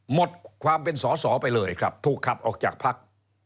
หมดความเป็นสอสอไปเลยครับถูกขับออกจากพัก